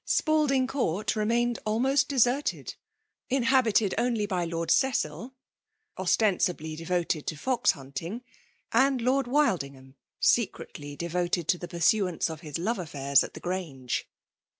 Spalding Court re maiaed almost deserted; inhabited only by liord Cedl, ostennbly devoted to fox hunting, aiMl Lord WUdnigham, secretly devoted to tUd pursuance of his love allkirs at the Grange!